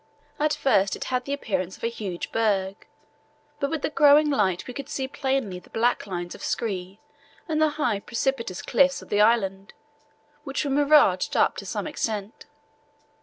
At first it had the appearance of a huge berg, but with the growing light we could see plainly the black lines of scree and the high, precipitous cliffs of the island, which were miraged up to some extent.